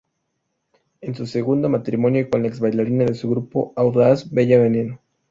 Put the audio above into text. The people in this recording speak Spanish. En su segundo matrimonio con la ex-bailarina de su Grupo Audaz Bella Veneno.